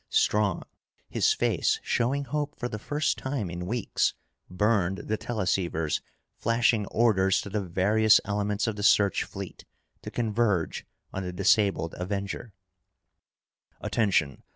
Strong, his face showing hope for the first time in weeks, burned the teleceivers, flashing orders to the various elements of the search fleet to converge on the disabled Avenger. "Attention!